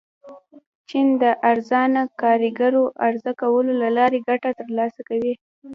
چین د ارزانه کارګرو عرضه کولو له لارې ګټه ترلاسه کوي.